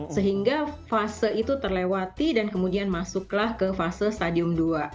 sehingga fase itu terlewati dan kemudian masuklah ke fase stadium dua